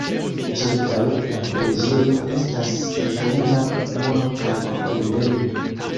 Ĉirkaŭ la preĝejo estas defenda muro kaj tombejo.